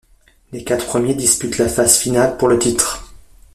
Les quatre premiers disputent la phase finale pour le titre.